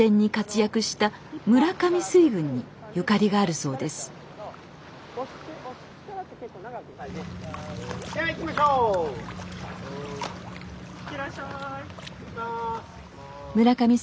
いってらっしゃい。